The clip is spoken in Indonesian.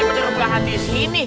benar benar hati di sini